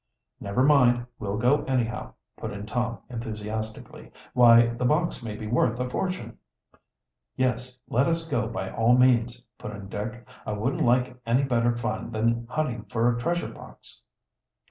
"Never mind, we'll go anyhow!" put in Tom enthusiastically. "Why, the box may be worth a fortune!" "Yes, let us go by all means," put in Dick. "I wouldn't like any better fun than hunting for a treasure box."